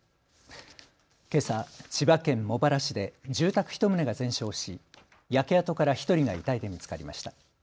けさ千葉県茂原市で住宅１棟が全焼し焼け跡から１人が遺体で見つかりました。